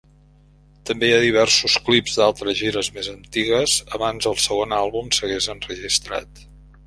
També hi ha diversos clips d'altres gires més antigues, abans el segon àlbum s'hagués enregistrat.